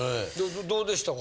どうでしたか？